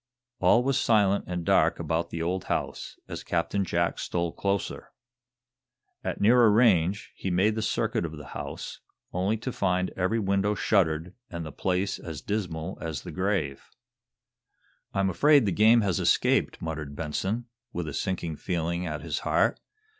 All was silent and dark about the old house, as Captain Jack stole closer. At nearer range he made the circuit of the house, only to find every window shuttered, and the place as dismal as the grave. "I'm afraid the game has escaped," muttered Benson, with a sinking feeling at his heart.